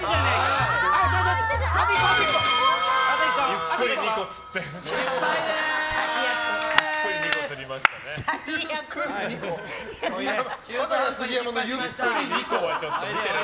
ゆっくり２個つってる。